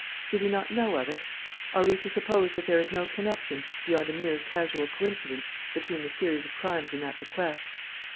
Did he not know of it? Are we to suppose that there is no connection, beyond a mere casual coincidence, between the series of crimes and that bequest?"